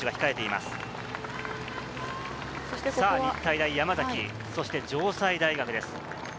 日体大・山崎、城西大学です。